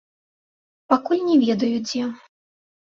Пакуль не ведаю, дзе.